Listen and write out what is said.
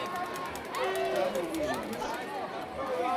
Earl Williams